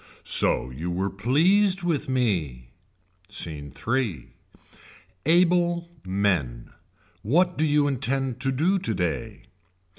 So you were pleased with me. Scene III. Able men. What do you intend to do today.